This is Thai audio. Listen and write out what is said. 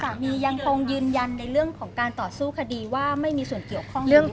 ยังคงยืนยันในเรื่องของการต่อสู้คดีว่าไม่มีส่วนเกี่ยวข้องเรื่อง